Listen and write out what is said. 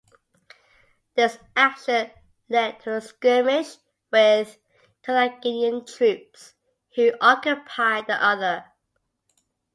This action led to a skirmish with Carthaginian troops, who occupied the other.